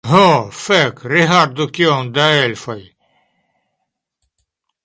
Ho, fek' rigardu kiom da elfoj